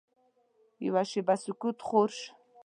یوه شېبه سکوت خور شو.